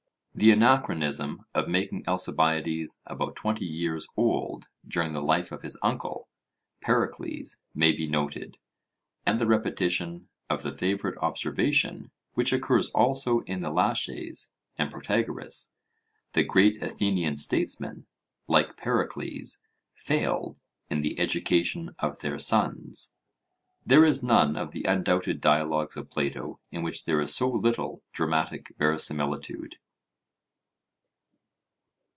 The anachronism of making Alcibiades about twenty years old during the life of his uncle, Pericles, may be noted; and the repetition of the favourite observation, which occurs also in the Laches and Protagoras, that great Athenian statesmen, like Pericles, failed in the education of their sons. There is none of the undoubted dialogues of Plato in which there is so little dramatic verisimilitude.